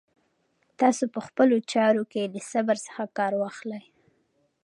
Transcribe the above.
تاسو په خپلو چارو کې له صبر څخه کار واخلئ.